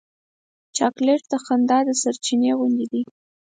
چاکلېټ د خندا د سرچېنې غوندې دی.